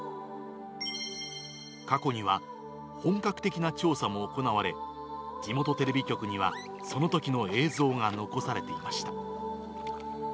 過去には本格的な調査も行われ、地元テレビ局には、そのときの映像が残されていました。